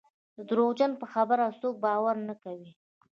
د درواغجن په خبره څوک باور نه کوي.